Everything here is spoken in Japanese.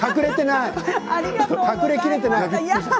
隠れきれてない。